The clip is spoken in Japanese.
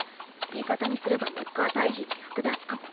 味方にすればノッカー退治に役立つかも。